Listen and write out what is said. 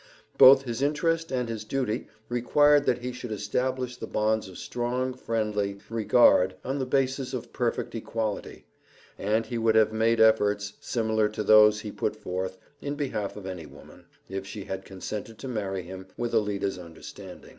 Both his interest and his duty required that he should establish the bonds of strong friendly regard on the basis of perfect equality, and he would have made efforts, similar to those he put forth, in behalf of any woman, if she had consented to marry him with Alida's understanding.